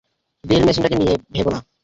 Drill মেশিনটাকে নিয়ে ভেবো না!